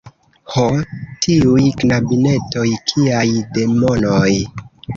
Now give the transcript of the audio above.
Ho! tiuj knabinetoj! Kiaj demonoj!